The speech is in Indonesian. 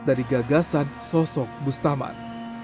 dari gagasan sosok bustaman